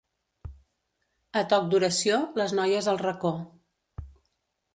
A toc d'oració, les noies al racó.